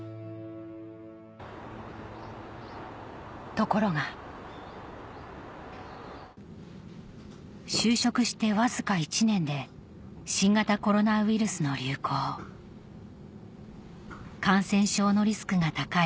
ところが就職してわずか１年で新型コロナウイルスの流行感染症のリスクが高い